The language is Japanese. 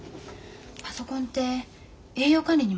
パソコンって栄養管理にも使える？